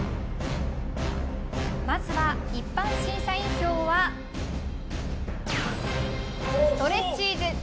まずは、一般審査員票はストレッチーズ。